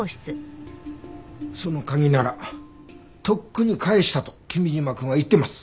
その鍵ならとっくに返したと君嶋くんは言ってます。